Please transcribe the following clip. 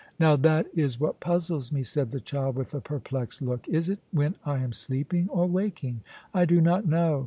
*' Now that is what puzzles me,' said the child, with a per plexed look. * Is it when I am sleeping or waking ? I do not know.